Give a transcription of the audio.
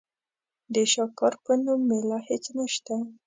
د شاکار په نوم مېله هېڅ نشته.